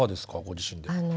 ご自身では。